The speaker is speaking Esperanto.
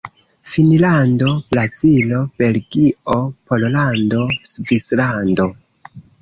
Finnlando, Brazilo, Belgio, Pollando, Svislando.